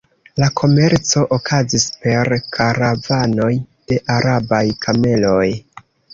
La komerco okazis per karavanoj de arabaj kameloj.